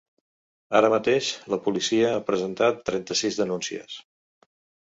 Així mateix, la policia ha presentat trenta-sis denúncies.